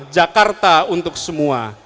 jakarta untuk semua